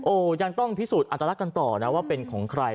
โอ้โหยังต้องพิสูจนอัตลักษณ์กันต่อนะว่าเป็นของใคร